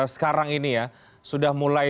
sekarang ini ya sudah mulai